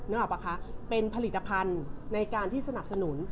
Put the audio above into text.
ออกป่ะคะเป็นผลิตภัณฑ์ในการที่สนับสนุน